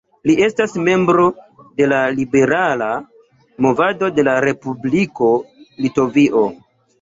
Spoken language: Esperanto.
Li estas membro de la Liberala Movado de la Respubliko Litovio.